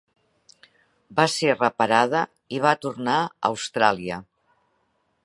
Va ser reparada i va tornar a Austràlia.